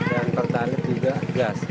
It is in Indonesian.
dan pertarik juga gas